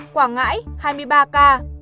quảng ngãi hai mươi ba ca